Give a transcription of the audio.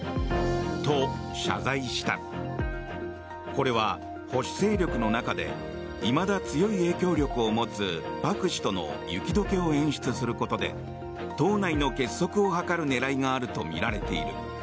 これは保守勢力の中でいまだ強い影響力を持つ朴氏との雪解けを演出することで党内の結束を図る狙いがあるとみられている。